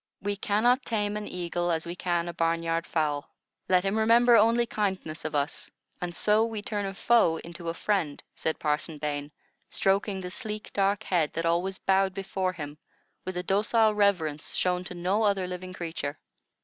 "We can not tame an eagle as we can a barnyard fowl. Let him remember only kindness of us, and so we turn a foe into a friend," said Parson Bain, stroking the sleek, dark head, that always bowed before him, with a docile reverence shown to no other living creature.